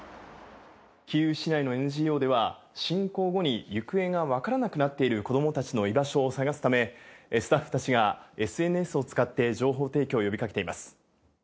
キーウ市内のＮＧＯでは、侵攻後に行方が分からなくなっている子どもたちの居場所を捜すため、スタッフたちがＳＮＳを使って情報提供を呼びかけています。